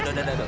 udah udah udah